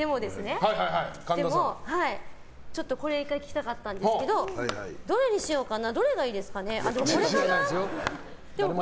でも、これ聞きたかったんですがどれにしようかなどれがいいですかね。